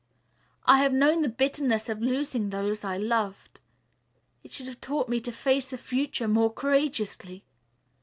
I have known the bitterness of losing those I loved. It should have taught me to face the future more courageously.